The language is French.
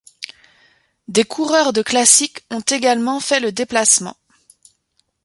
Des coureurs de classiques ont également fait le déplacement.